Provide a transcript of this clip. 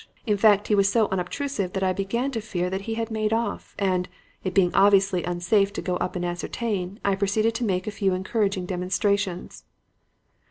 In fact, he was so unobtrusive that I began to fear that he had made off, and, it being obviously unsafe to go up and ascertain, I proceeded to make a few encouraging demonstrations.